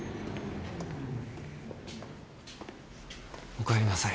・おかえりなさい。